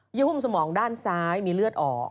หุ้มสมองด้านซ้ายมีเลือดออก